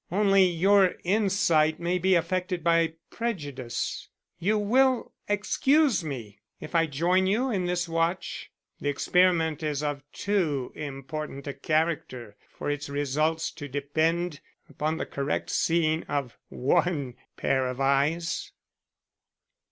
Only your insight may be affected by prejudice. You will excuse me if I join you in this watch. The experiment is of too important a character for its results to depend upon the correct seeing of one pair of eyes."